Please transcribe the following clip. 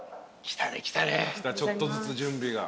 来たちょっとずつ準備が。